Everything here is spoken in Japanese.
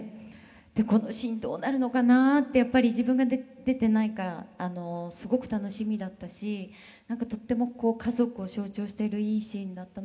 このシーンどうなるのかなってやっぱり自分が出てないからすごく楽しみだったしとっても家族を象徴しているいいシーンだったな。